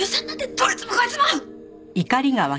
どいつもこいつも！